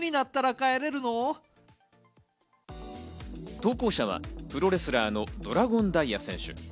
投稿者はプロレスラーのドラゴン・ダイヤ選手。